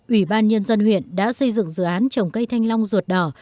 ủy ban nhân dân huyện đã xây dựng dự án trồng cây thanh long ruột đỏ